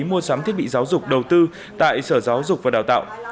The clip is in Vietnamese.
mua sắm thiết bị giáo dục đầu tư tại sở giáo dục và đào tạo